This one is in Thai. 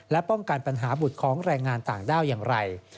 และป้องกันปัญหาบุตรของแรงงานต่างด้าวอย่างไร